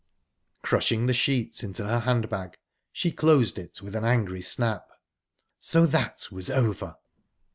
Crushing the sheets into her hand bag, she closed it with an angry snap. So that was over!...